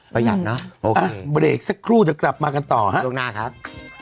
ประหยัดเนอะเบรกสักครู่เดี๋ยวกลับมากันต่อฮะช่วงหน้าครับ